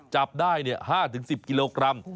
จับได้๕๑๐กิโลกรัม